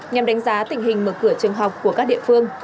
nhằm đánh giá tình hình mở cửa trường học của các địa phương